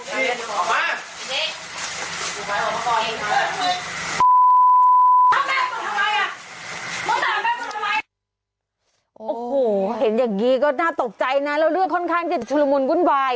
โอ้โหเห็นอย่างนี้ก็น่าตกใจนะแล้วเรื่องค่อนข้างจะชุลมุนวุ่นวาย